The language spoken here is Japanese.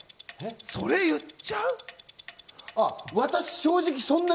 それ言っちゃう？